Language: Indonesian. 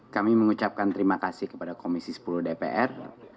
kami mengucapkan terima kasih kepada komisi sepuluh dpr